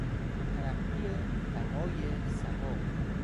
ترقی بهای سهام